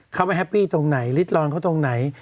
เขาไปแฮปปี้ตรงไหนริดรอนเขาตรงไหน